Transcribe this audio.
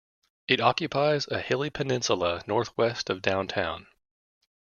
It occupies a hilly peninsula northwest of downtown.